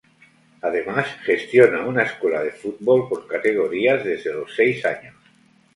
Además, gestiona una escuela de fútbol con categorías desde los seis años.